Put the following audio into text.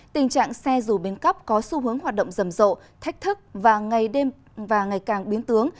tình trạng xe dù biến cấp có xu hướng hoạt động rầm rộ thách thức và ngày càng biến tướng